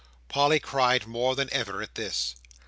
Polly cried more than ever at this.